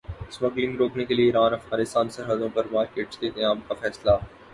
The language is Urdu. اسمگلنگ روکنے کیلئے ایران افغانستان سرحدوں پر مارکیٹس کے قیام کا فیصلہ